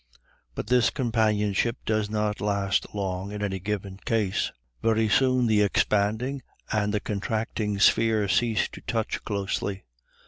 But this companionship does not last long in any given case. Very soon the expanding and the contracting sphere cease to touch closely.